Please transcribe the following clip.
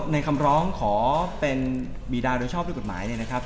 คำร้องขอเป็นบีดาโดยชอบด้วยกฎหมายเนี่ยนะครับ